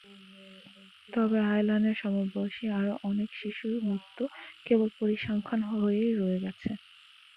তবে আয়লানের সমবয়সী আরও অনেক শিশুর মৃত্যু কেবল পরিসংখ্যান হয়েই রয়ে গেছে।